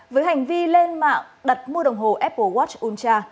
với hành vi lên mạng đặt mua đồng hồ apple watch ultra